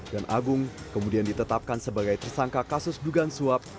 dan agung kemudian ditetapkan sebagai tersangka kasus dugaan suap